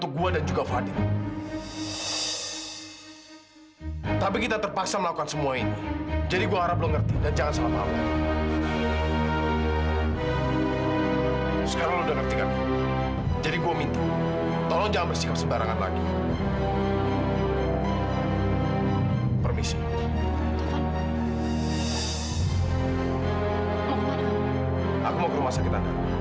kuduga menganggur saya seperti mikir ini dan hal lain sebagai kaya ini